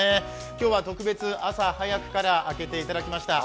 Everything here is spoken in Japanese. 今日は特別、朝早くから開けていただきました。